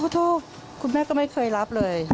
โทษคุณแม่ก็ไม่เคยรับเลย